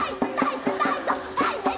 はい！